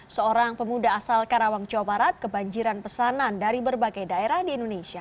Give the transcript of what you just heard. seorang pemuda asal karawang jawa barat kebanjiran pesanan dari berbagai daerah di indonesia